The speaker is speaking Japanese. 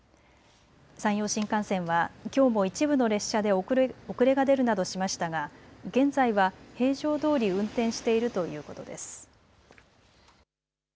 山陽新幹線はきょうも一部の列車で遅れが出るなどしましたが現在は平常どおり運転しているということです。